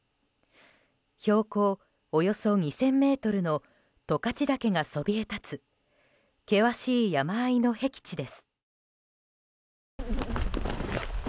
標高およそ２０００ｍの十勝岳がそびえ立つ険しい山あいのへき地です。